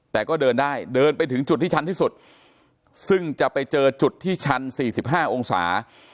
แต่ก็เดินได้เดินไปถึงจุดที่ชันที่สุดซึ่งจะไปเจอจุดที่ชัน๔๕องศา